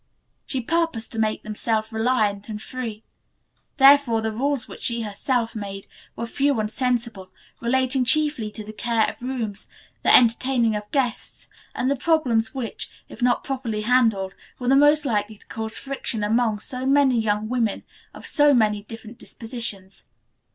She purposed to make them self reliant and free. Therefore the rules which she herself made were few and sensible, relating chiefly to the care of rooms, the entertaining of guests and the problems which, if not properly handled, were the most likely to cause friction among so many young women of so many different dispositions.